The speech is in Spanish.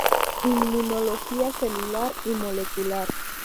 Inmunología Celular y Molecular.